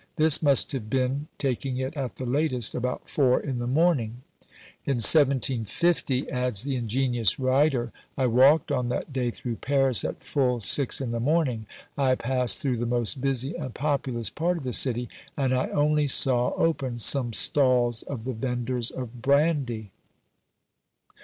This must have been, taking it at the latest, about four in the morning. "In 1750," adds the ingenious writer, "I walked on that day through Paris at full six in the morning; I passed through the most busy and populous part of the city, and I only saw open some stalls of the vendors of brandy!"